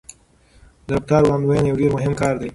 د رفتار وړاندوينه یو ډېر مهم کار دی.